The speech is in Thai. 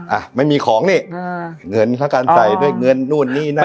อ่ะไม่มีของนี่อ่าเงินค่าการใส่ด้วยเงินนู่นนี่นั่น